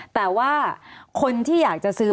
สวัสดีครับทุกคน